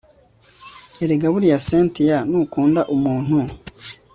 erega buriya cyntia nukunda umuntu